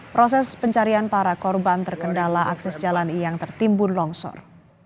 proses pencarian para korban terkendala akses jalan yang tertimbun longsor